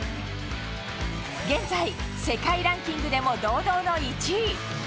現在、世界ランキングでも堂々の１位。